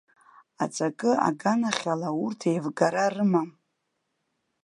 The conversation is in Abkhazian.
Аҵакы аганахьала урҭ еивгара рымам.